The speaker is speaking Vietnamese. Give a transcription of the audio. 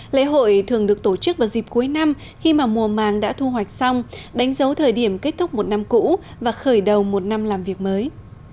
lễ hội thường được tổ chức vào dịp cuối năm khi mà mùa màng đã thu hoạch xong đánh dấu thời điểm kết thúc một năm cũ và khởi đầu một năm làm việc mới